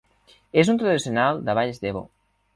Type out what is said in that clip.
És un tradicional de Valls d'Ebo.